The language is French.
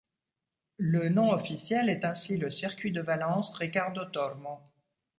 Le nom officiel est ainsi le Circuit de Valence Ricardo Tormo.